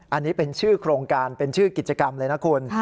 อันนี้เป็นชื่อโครงการเป็นชื่อกิจกรรมเลยนะคุณ